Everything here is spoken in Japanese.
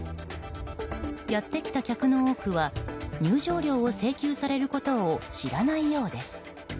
やってきた客の多くは入場料を請求されることを知らないようです。